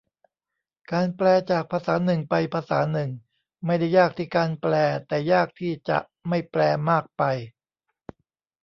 การแปลจากภาษาหนึ่งไปภาษาหนึ่ง ไม่ได้ยากที่การแปล แต่ยากที่จะไม่แปลมากไป